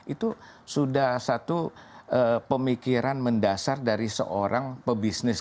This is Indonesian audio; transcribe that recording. itu sudah satu pemikiran mendasar dari seorang pebisnis